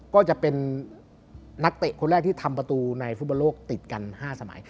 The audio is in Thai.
ก็จะเป็นนักเตะคนแรกที่ทำประตูในฟุตบอลโลกติดกัน๕สมัย